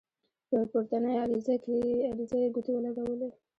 په پورتنۍ عریضه یې ګوتې ولګولې.